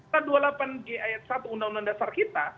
pasal dua puluh delapan g ayat satu undang undang dasar kita